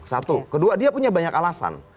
satu kedua dia punya banyak alasan